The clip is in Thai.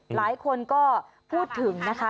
หลายคนก็พูดถึงนะคะ